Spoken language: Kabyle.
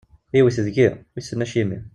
Iwwet deg-i, wissen acimi.